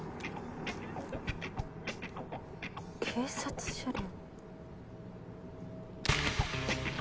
警察車両？